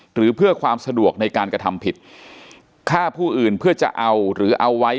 หรือเพื่อความสะดวกในการกระทำผิดฆ่าผู้อื่นเพื่อจะเอาหรือเอาไว้